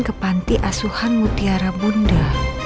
ke pantiasun mutara bunda